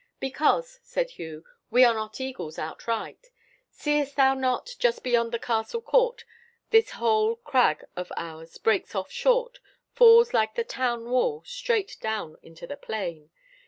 "Because," said Hugh, "we are not eagles outright. Seest thou not, just beyond the castle court, this whole crag of ours breaks off short, falls like the town wall straight down into the plain?